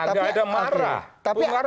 nggak ada marah bung karno